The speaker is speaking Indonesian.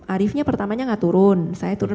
ariefnya pertamanya nggak turun saya turun